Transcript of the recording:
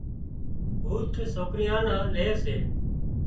هوٿ سوڪريان نان لي سي